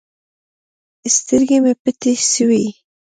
سترګې مې پټې سوې.